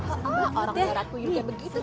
oh orang nyara tuyul kayak begitu tuh